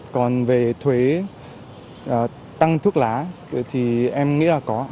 còn về thuế tăng thuốc lá thì em nghĩ là có